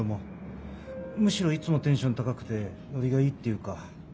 むしろいつもテンション高くてノリがいいっていうか。